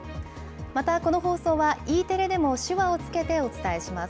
またこの放送はＥテレでも、手話をつけてお伝えします。